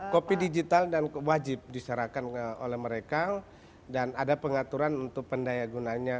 kopi digital dan wajib diserahkan oleh mereka dan ada pengaturan untuk pendaya gunanya